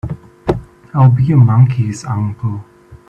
I'll be a monkey's uncle!